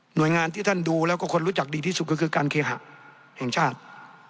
โดยงานที่ท่านดูแล้วก็คนรู้จักดีที่สุดก็คือการเคหะแห่งชาติ